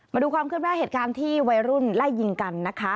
มาดูความขึ้นหน้าเหตุการณ์ที่วัยรุ่นไล่ยิงกันนะคะ